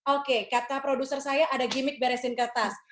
oke kata produser saya ada gimmick beresin kertas